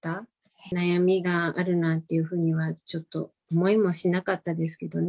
悩みがあるなんていうふうには、ちょっと思いもしなかったですけどね。